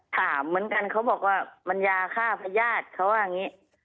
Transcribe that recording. ถามเหมือนกันเขาบอกว่ามันยาฆ่าพญาติเขาว่าอย่างนี้